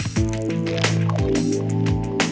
เมื่อที่เหลือ